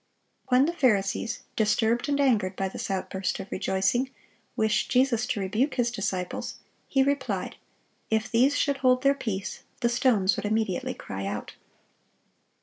When the Pharisees, disturbed and angered by this outburst of rejoicing, wished Jesus to rebuke His disciples, He replied, "If these should hold their peace, the stones would immediately cry out."